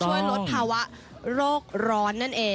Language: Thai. ช่วยลดภาวะโรคร้อนนั่นเอง